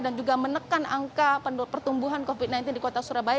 dan juga menekan angka penduduk pertumbuhan covid sembilan belas di kota surabaya